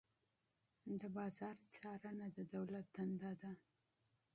د بازار څارنه د دولت دنده ده.